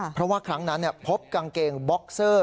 เพราะว่าครั้งนั้นพบกางเกงบ็อกเซอร์